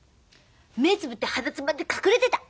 目つぶって鼻つまんで隠れてた。